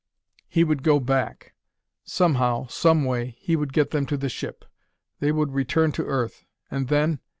He would go back. Somehow, some way, he would get them to the ship. They would return to Earth. And then....